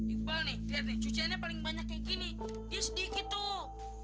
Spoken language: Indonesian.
iqbal nih lihat nih cuciannya paling banyak kayak gini dia sedikit tuh